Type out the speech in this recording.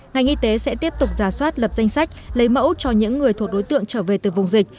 ngành y tế sẽ tiếp tục giả soát lập danh sách lấy mẫu cho những người thuộc đối tượng trở về từ vùng dịch